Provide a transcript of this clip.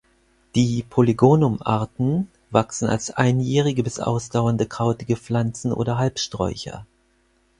Die "Polygonum"-Arten wachsen als einjährige bis ausdauernde krautige Pflanzen oder Halbsträucher.